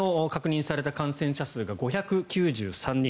昨日の確認された感染者数が５９３人。